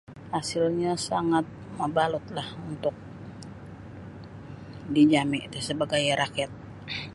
Hasilnya sangat mabalutlah untuk di jami ti sabagai rakyat.